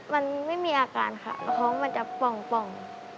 มันไม่มีอาการค่ะท้องมันจะป่อง